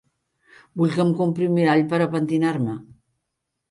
Vull que em compri un mirall per a pentinar-me.